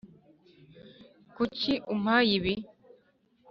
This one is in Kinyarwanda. kuki umpaye ibi?